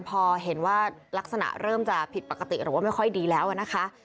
พอเห็นว่าลักษณะเริ่มจะผิดปกติหรือว่าไม่ค่อยดีแล้วนะคะ